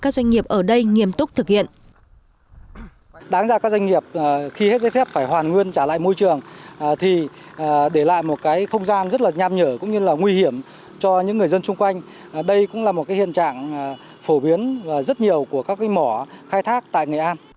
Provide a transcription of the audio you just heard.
các doanh nghiệp ở đây nghiêm túc thực hiện